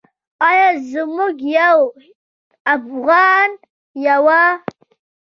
ایا موږ یو افغان یو؟